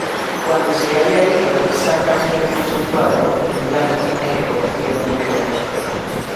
Cuando se haya ido, saca un hermoso cuadro en blanco y negro de Homero.